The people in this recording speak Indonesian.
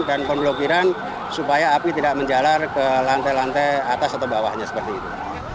dan pemblokiran supaya api tidak menjalar ke lantai lantai atas atau bawahnya seperti itu